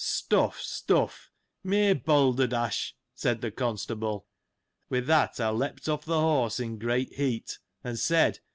" Stuff ! stuff ; mere balder dash !" said the constable. With that I leaped off the horse, in a great heat, and said.